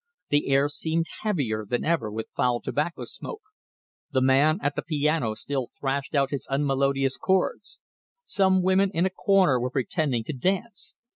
The air seemed heavier than ever with foul tobacco smoke. The man at the piano still thrashed out his unmelodious chords. Some women in a corner were pretending to dance.